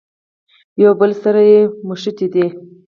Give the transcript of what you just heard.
یو بل سره نښتي دي.